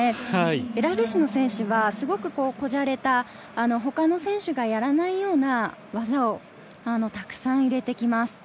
ベラルーシの選手は小洒落た他の選手がやらないような技をたくさん入れてきます。